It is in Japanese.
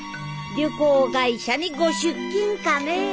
旅行会社にご出勤かねシェ！